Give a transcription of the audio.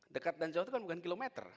dekat dan jawa itu kan bukan kilometer